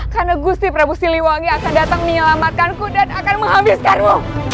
karena gusti prabu siliwangi akan datang menyelamatkan ku dan akan menghabiskanku